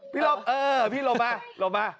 พี่ลบเออพี่ลบมาลบมา